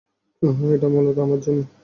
অহ, এটা মূলত আমার জন্য।